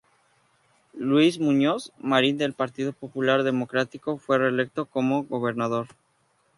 Luis Muñoz Marín del Partido Popular Democrático fue reelecto como Gobernador.